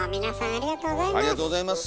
ありがとうございます。